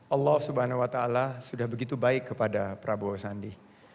allah swt sudah begitu baik kepada prabowo sandi